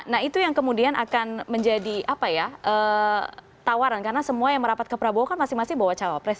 nah itu yang kemudian akan menjadi tawaran karena semua yang merapat ke prabowo kan masing masing bawa cawapres